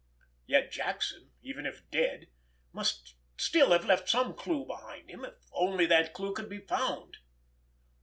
Yet Jackson, even if dead, must still have left some clue behind him, if only that clue could be found.